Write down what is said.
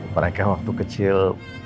mereka waktu kecil